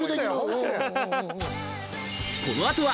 この後は